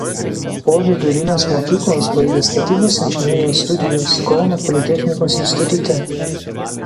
Po vidurinės mokyklos baigė statybos inžinerijos studijas Kauno politechnikos institute.